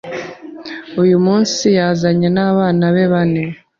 Uyu munsi yazanye n’abana be bane